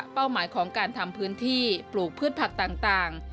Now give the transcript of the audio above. หมายของการทำพื้นที่ปลูกพืชผักต่าง